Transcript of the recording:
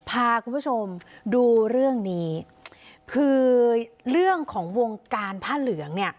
พาคุณผู้ชมดูเรื่องนี้คือเรื่องของวงการผ้าเหลืองเนี่ย